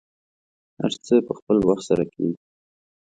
هر څه په خپل وخت سره کیږي.